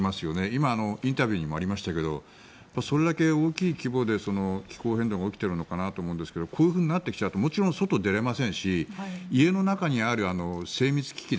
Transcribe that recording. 今インタビューにもありましたけどそれだけ大きい規模で気候変動が起きているのかなと思うんですけどこういうふうになってきちゃうともちろん外に出れませんし家の中にある精密機器